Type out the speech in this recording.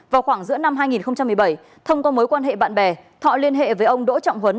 vào khoảng giữa năm hai nghìn một mươi bảy thông qua mối quan hệ bạn bè thọ liên hệ với ông đỗ trọng huấn